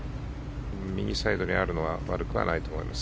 右サイドにあるのは悪くはないと思います。